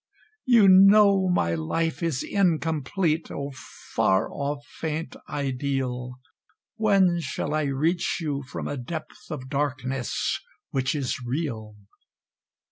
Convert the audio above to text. You know my life is incomplete, O far off faint Ideal! When shall I reach you from a depth of darkness which is real?